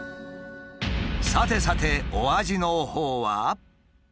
さてさてお味のほうは？